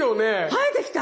生えてきた。